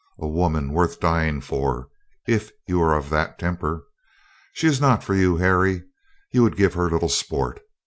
A woman worth dying for — if you are of that temper. She is not for you, Harry. You would give her little sport.